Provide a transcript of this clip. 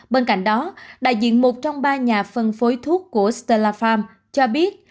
bên cạnh đó đại diện một trong ba nhà phân phối thuốc của stella farm cho biết